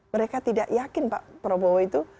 mereka tidak yakin pak prabowo itu